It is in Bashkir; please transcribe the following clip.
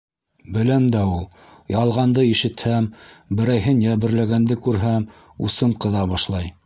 Беләм дә ул. Ялғанды ишетһәм, берәйһен йәберләгәнде күрһәм, усым ҡыҙа башлай...